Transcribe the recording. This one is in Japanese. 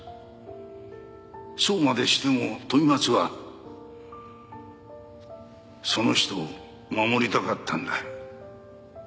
そうまでしても飛松はその人を守りたかったんだ。